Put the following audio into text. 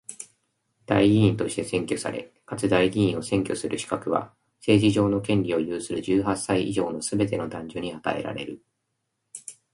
代議員として選挙され、かつ代議員を選挙する資格は、政治上の権利を有する十八歳以上のすべての男女に与えられる。